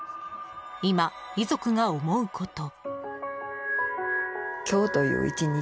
今、遺族が思うこと。